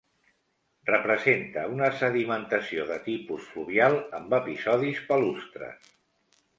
Representa una sedimentació de tipus fluvial amb episodis palustres.